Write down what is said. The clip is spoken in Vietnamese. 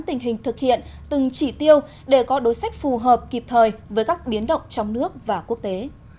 tình hình thực hiện từng chỉ tiêu để có đối sách phù hợp kịp thời với các biến động trong nước và quốc tế